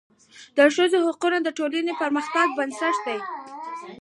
د ښځو حقونه د ټولني د پرمختګ بنسټ دی.